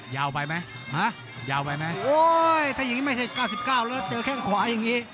ยาวไปไหมถ้าอย่างนี้ไม่ใช่๙๙แล้วเจอแค่ขวาอย่างนี้